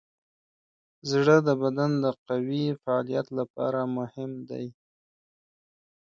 زړه د بدن د قوي فعالیت لپاره مهم دی.